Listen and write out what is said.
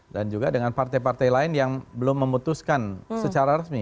dan juga dengan partai partai lain yang belum memutuskan secara resmi